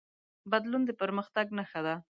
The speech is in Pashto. بدلون د پرمختګ نښه ده.